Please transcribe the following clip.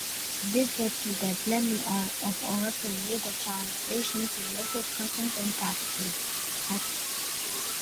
This led to the blending of European legal traditions with local customs and practices.